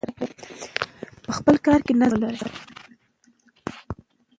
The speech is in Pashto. په خپل کار کې نظم ولرئ.